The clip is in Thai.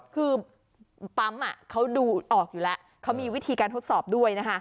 คือปั๊มเขาดูออกอยู่แล้วเขามีวิธีการทดสอบด้วยนะคะ